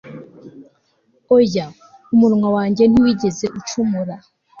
oya, umunwa wanjye ntiwigeze ucumura